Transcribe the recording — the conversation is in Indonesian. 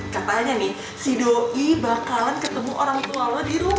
katanya nih si doi bakalan ketemu orang tua lo di rumah